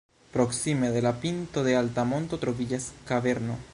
Proksime de la pinto de alta monto troviĝas kaverno.